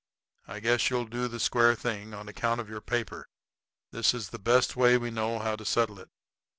I guess you'll do the square thing on account of your paper. This is the best way we know how to settle it.